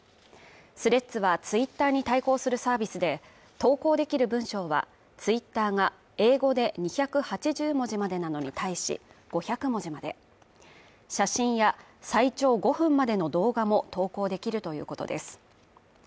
スレッズはツイッターに対抗するサービスで投稿できる文章は、ツイッターが英語で２８０文字までなのに対し、５００文字まで写真や最長５分までの動画も投稿できるということです。